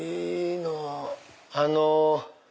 あの